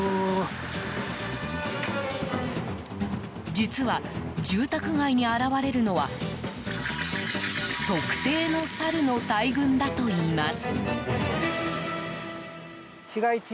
実は住宅街に現れるのは特定のサルの大群だといいます。